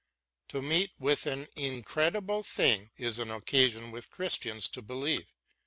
To meet vnth an incredible thing is an occasion with Christians to believe.